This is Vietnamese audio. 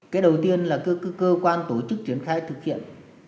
cái đầu tiên là cơ quan tổ chức triển khai thực hiện